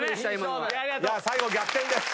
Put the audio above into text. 最後逆転です。